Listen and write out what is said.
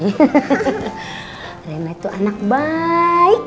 udah masuk masuk